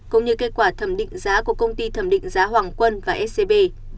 cũng như kết quả thẩm định giá của công ty thẩm định giá hoàng quân và scb